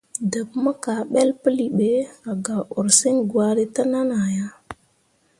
Ɗəḅ mo kaaɓəl pəli ɓe, a gak ursəŋ gwari təʼnan ah ya.